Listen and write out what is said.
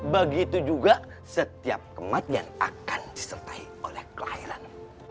begitu juga setiap kematian akan disertai oleh kelahiran